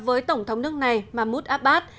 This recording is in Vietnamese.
với tổng thống nước này mahmoud abbas